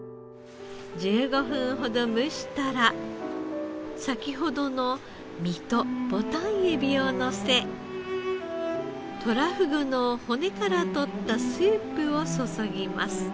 １５分ほど蒸したら先ほどの身とボタンエビをのせとらふぐの骨からとったスープを注ぎます。